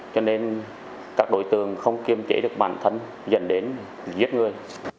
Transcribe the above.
cho nên các đối tượng không kiêm trị được bản thân dẫn đến giết người